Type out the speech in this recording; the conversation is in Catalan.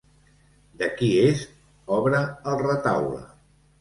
De qui és obra el retaule?